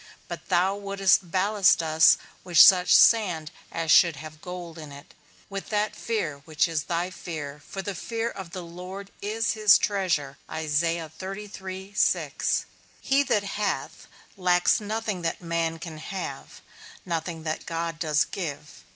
But thou wouldst ballast us with such sand as should have gold in it, with that fear which is thy fear; for the fear of the Lord is his treasure. He that hath that lacks nothing that man can have, nothing that God does give.